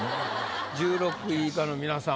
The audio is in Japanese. １６位以下の皆さん